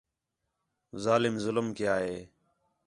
ظالم ظلم کیا ہِے